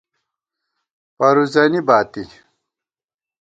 پرُزَنی باتی